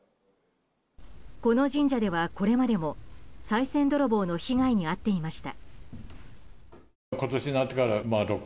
この神社ではこれまでもさい銭泥棒の被害に遭っていました。